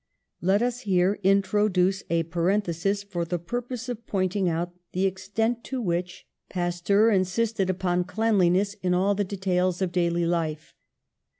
Let us here introduce a parenthesis for the purpose of pointing out the extent to which 112 PASTEUR Pasteur insisted upon cleanliness in all the de tails of daily life.